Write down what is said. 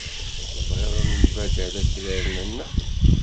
Tebɣiḍ ad nembaddal akraren-nneɣ?